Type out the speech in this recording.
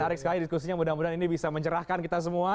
menarik sekali diskusinya mudah mudahan ini bisa mencerahkan kita semua